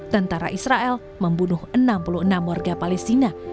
tentara israel membunuh enam puluh enam warga palestina